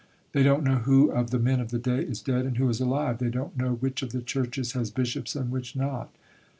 They don't know who of the men of the day is dead and who is alive. They don't know which of the Churches has Bishops and which not.